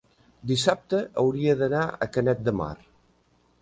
dissabte hauria d'anar a Canet de Mar.